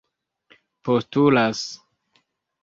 postulas